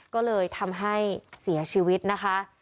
ก็เลยทำให้เสียชีวิตนะคะ